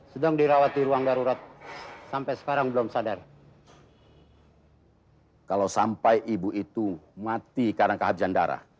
sim aku memang belum punya sim